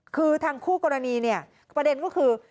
คือทางคู่กรณีเนี่ยประเด็นก็คือ